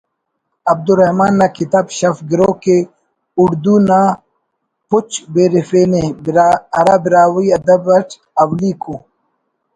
عبدالرحمن نا کتاب ”شف گروگ“ ءِ اُڑدو نا پچ بیرفینے‘ ہرا براہوئی ادب اٹ اولیکو